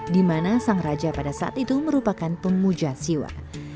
di mana sang raja pada saat itu merupakan pemuja siwa